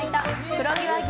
黒毛和牛